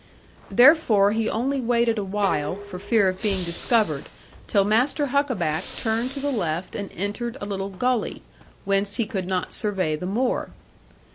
Therefore he only waited awhile for fear of being discovered, till Master Huckaback turned to the left and entered a little gully, whence he could not survey the moor.